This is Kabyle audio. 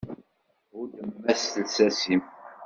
Hudden-am lsas-im.